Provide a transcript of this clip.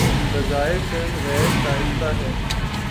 بظاہر فلم غیر شائستہ ہے